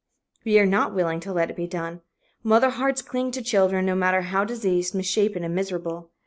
We are not willing to let it be done. Mother hearts cling to children, no matter how diseased, misshapen and miserable.